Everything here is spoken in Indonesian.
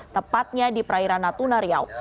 tepatnya di perairan natuna riau